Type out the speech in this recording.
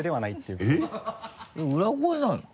裏声なの？